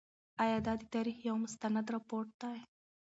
آیا دا د تاریخ یو مستند رپوټ دی؟